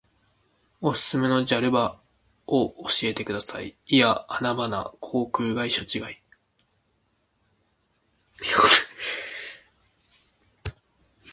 おすすめのジャル場を教えてください。いやアナ場な。航空会社違い。